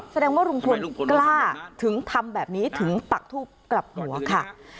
แสดงว่าลุงพลกล้าถึงทำแบบนี้ถึงปักทูบกลับหัวค่ะ